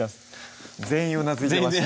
全員うなずいてました